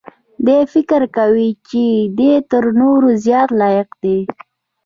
دی فکر کوي چې دی تر نورو زیات لایق دی.